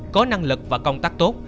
có năng lực và công tác tốt